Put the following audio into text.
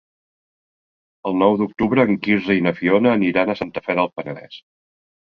El nou d'octubre en Quirze i na Fiona aniran a Santa Fe del Penedès.